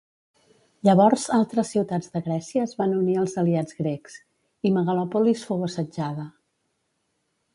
Llavors altres ciutats de Grècia es van unir als aliats grecs, i Megalòpolis fou assetjada.